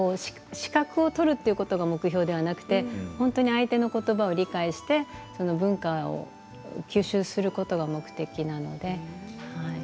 資格を取ることが目標ではなくて本当に相手のことばを理解してその文化を吸収することが目的なので。